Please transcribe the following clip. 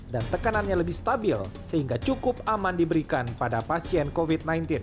dan tekanannya lebih stabil sehingga cukup aman diberikan pada pasien covid sembilan belas